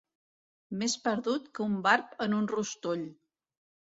Més perdut que un barb en un rostoll.